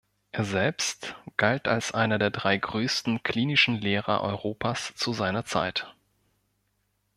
Er selbst galt als einer der drei größten klinischen Lehrer Europas zu seiner Zeit.